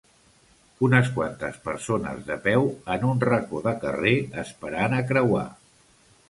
Unes quantes persones de peu en un racó de carrer esperant a creuar.